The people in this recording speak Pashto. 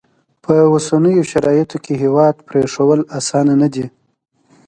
په اوسنیو شرایطو کې هیواد پرېښوول اسانه نه دي.